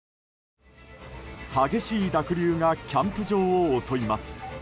激しい濁流がキャンプ場を襲います。